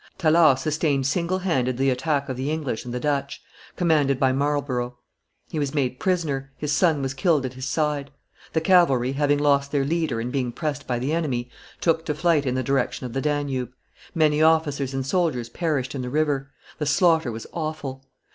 Tallard sustained single handed the attack of the English and the Dutch, commanded by Marlborough; he was made prisoner, his son was killed at his side; the cavalry, having lost their leader and being pressed by the enemy, took to flight in the direction of the Danube; many officers and soldiers perished in the river; the slaughter was awful.